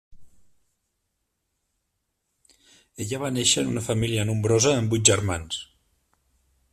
Ella va néixer en una família nombrosa, amb vuit germans.